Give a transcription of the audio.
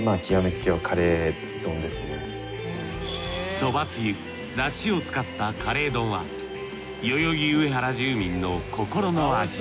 蕎麦つゆだしを使ったカレー丼は代々木上原住民の心の味。